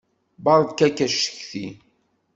Beṛka-k acetki.